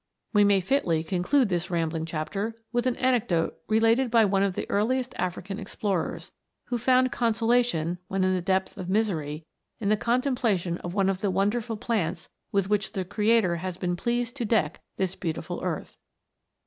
We may fitly con clude this rambling chapter with an anecdote re lated by one of the earliest African explorers, who found consolation, when in the depth of misery, in the contemplation of one of the wonderful plants with which the Creator has been pleased to deck this beautiful earth.